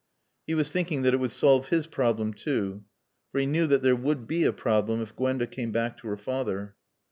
He was thinking that it would solve his problem too. For he knew that there would be a problem if Gwenda came back to her father.